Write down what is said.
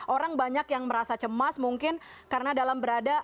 orang banyak yang merasa cemas mungkin karena dalam berada